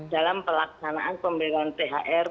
dalam pelaksanaan pemberian thr